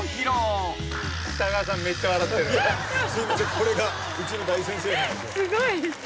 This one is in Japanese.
これがうちの大先生なんで。